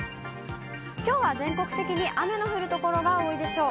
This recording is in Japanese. きょうは全国的に雨の降る所が多いでしょう。